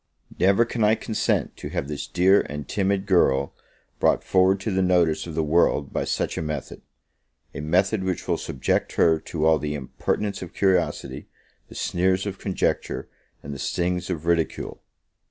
Never can I consent to have this dear and timid girl brought forward to the notice of the world by such a method; a method which will subject her to all the impertinence of curiosity, the sneers of conjecture, and the stings of ridicule.